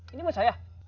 ini mah saya